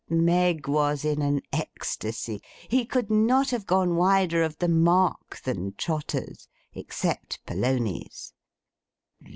Meg was in an ecstasy. He could not have gone wider of the mark than Trotters—except Polonies.